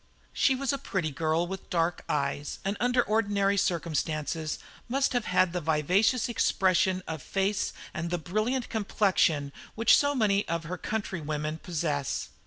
She was a pretty girl with dark eyes, and under ordinary circumstances must have had the vivacious expression of face and the brilliant complexion which so many of her countrywomen possess.